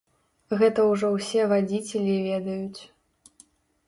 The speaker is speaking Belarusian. Гэта ўжо ўсе вадзіцелі ведаюць.